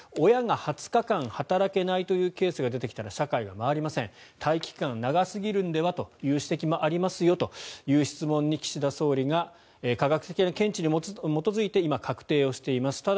親が２０日間働けないというケースが出てきたら社会が回りません待機期間長すぎるのではという指摘もありますよという質問に対し岸田総理が科学的な見地に基づいて今、確定しています。